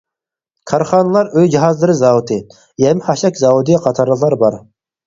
كارخانىلار ئۆي جاھازلىرى زاۋۇتى، يەم-خەشەك زاۋۇتى قاتارلىقلار بار.